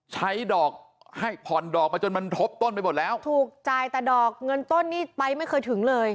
ใช้ดอกให้ผ่อนดอกมาจนมันทบต้นไปหมดแล้วถูกจ่ายแต่ดอกเงินต้นนี่ไปไม่เคยถึงเลย